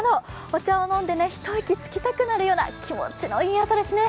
お茶を飲んで、一息つきたくなるような気持ちいい朝ですね。